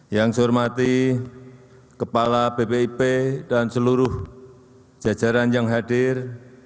yang saya hormati kepala bpip dan seluruh jajaran yang hadir